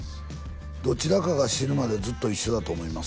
「どちらかが死ぬまでずっと一緒だと思います」